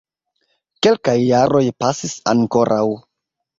Kelkaj jaroj pasis ankoraŭ.